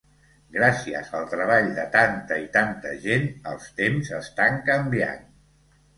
Gràcies al treball de tanta i tanta gent, els temps estan canviant.